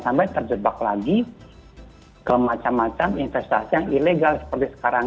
sampai terjebak lagi ke macam macam investasi yang ilegal seperti sekarang